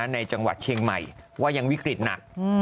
ในจังหวัดเชียงใหม่ว่ายังวิกฤตหนัก